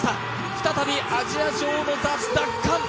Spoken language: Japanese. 再びアジア女王の座、奪還